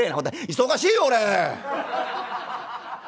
忙しいよ俺！」。